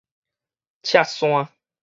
赤山